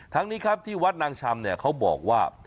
นี้ครับที่วัดนางชำเนี่ยเขาบอกว่า